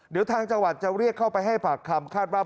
เดี๋ยวทางจังหวัดจะเรียกเข้าไปให้ปากคำคาดว่า